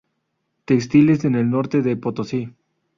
Textiles en el Norte de Potosí.